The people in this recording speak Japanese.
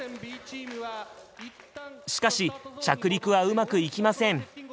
しかし着陸はうまくいきません。